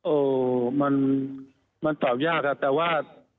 โอ้มันตอบยากอะแต่ว่า